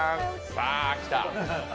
さあ、きた。